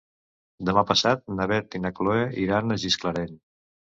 Demà passat na Beth i na Chloé iran a Gisclareny.